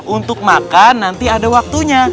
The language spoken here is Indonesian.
untuk makan nanti ada waktunya